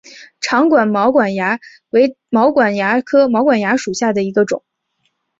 长管毛管蚜为毛管蚜科毛管蚜属下的一个种。